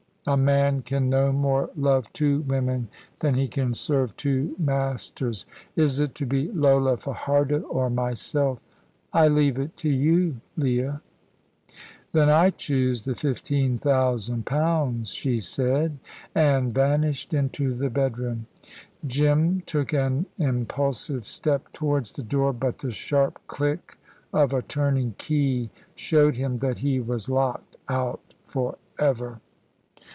A man can no more love two women than he can serve two masters. Is it to be Lola Fajardo, or myself?" "I leave it to you, Leah." "Then I choose the fifteen thousand pounds," she said, and vanished into the bedroom. Jim took an impulsive step towards the door, but the sharp click of a turning key showed him that he was locked out for ever.